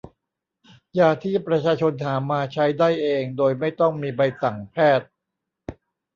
ยาที่ประชาชนหามาใช้ได้เองโดยไม่ต้องมีใบสั่งแพทย์